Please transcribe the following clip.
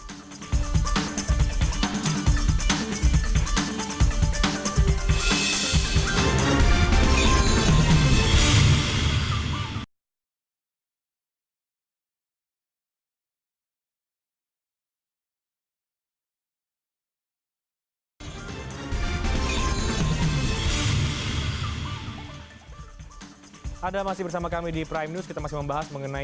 juga merupakan bagian dari kelompok itu